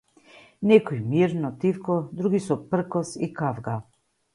Некои мирно, тивко, други со пркос и кавга.